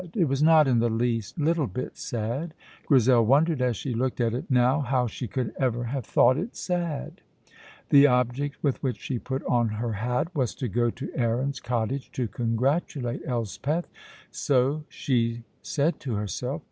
It was not in the least little bit sad. Grizel wondered as she looked at it now how she could ever have thought it sad. The object with which she put on her hat was to go to Aaron's cottage, to congratulate Elspeth. So she said to herself.